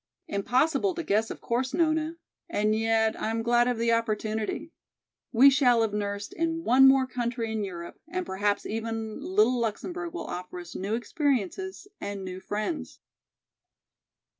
"Impossible to guess of course, Nona. And yet I am glad of the opportunity. We shall have nursed in one more country in Europe and perhaps even little Luxemburg will offer us new experiences and new friends."